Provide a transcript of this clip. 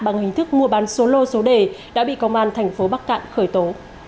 bằng hình thức mua bán số lô số đề đã bị công an thành phố bắc cạn khởi tố